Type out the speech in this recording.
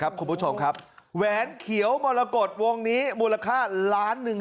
คุณผู้ชมครับแหวนเขียวมรกฏวงนี้มูลค่าล้านหนึ่ง